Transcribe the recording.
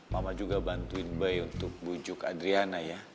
mama juga bantuin bayi untuk bujuk adriana ya